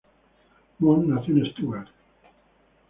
Mohn nació en Stuttgart.